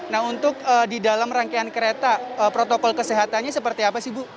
nah untuk di dalam rangkaian kereta protokol kesehatannya seperti apa sih bu